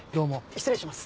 失礼します。